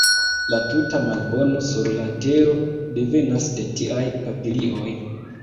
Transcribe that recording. La tuta malbono sur la tero devenas de tiaj papilioj!